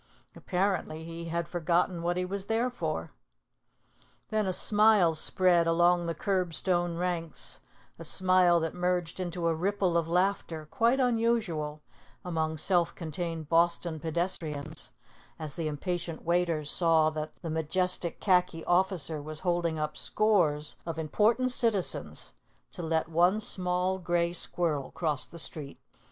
Apparently he had forgotten what he was there for. Then a smile spread along the curb stone ranks, a smile that merged into a ripple of laughter quite unusual among self contained Boston pedestrians, as the impatient waiters saw that the majestic khaki officer was holding up scores of important citizens to let one small gray squirrel cross the street.